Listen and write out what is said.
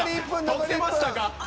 撮ってましたか？